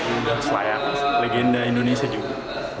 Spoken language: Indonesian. udah selayak legenda indonesia juga